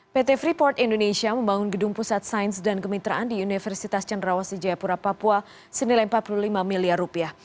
pt freeport indonesia membangun gedung pusat sains dan kemitraan di universitas cenderawasi jayapura papua senilai empat puluh lima miliar rupiah